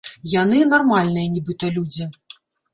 Яны нармальныя нібыта людзі.